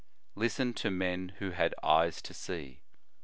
Listen to men who had eyes to see.